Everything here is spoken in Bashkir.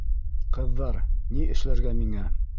Ҡыҙҙар, ни эшләргә миңә?